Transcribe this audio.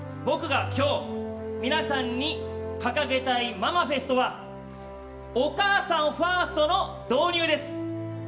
僕が今日、皆さんに掲げたいママフェストはお母さんファーストの導入です。